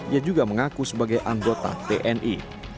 ia juga mengaku sebagai anggota tni